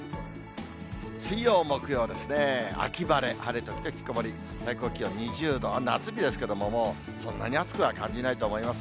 水曜、木曜ですね、秋晴れ、晴れ時々曇り、最高気温２０度、夏日ですけれども、もうそんなに暑くは感じないと思います。